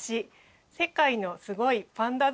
「世界のすごいパンダ」